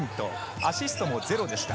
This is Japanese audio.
アシストも０でした。